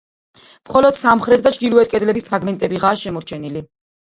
მხოლოდ სამხრეთ და ჩრდილოეთ კედლების ფრაგმენტებიღაა შემორჩენილი.